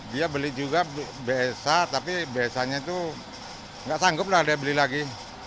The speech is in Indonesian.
dia beli juga bsa tapi bsanya itu nggak sanggup lah dia beli lagi